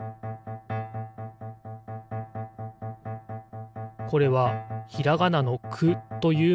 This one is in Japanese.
これはひらがなの「く」というもじです。